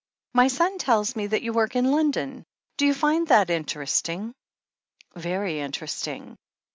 "My son tells me that you work in London. Do you find that interesting?" "Very interesting."